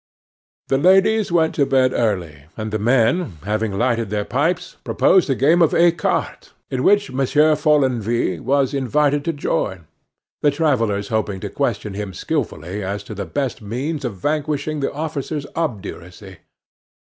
The ladies went to bed early; and the men, having lighted their pipes, proposed a game of ecarte, in which Monsieur Follenvie was invited to join, the travellers hoping to question him skillfully as to the best means of vanquishing the officer's obduracy.